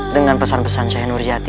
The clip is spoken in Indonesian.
dengan pesan pesan saya nur yati